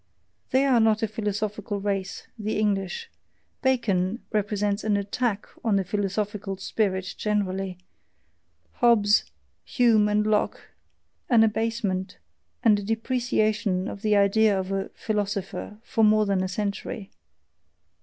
They are not a philosophical race the English: Bacon represents an ATTACK on the philosophical spirit generally, Hobbes, Hume, and Locke, an abasement, and a depreciation of the idea of a "philosopher" for more than a century.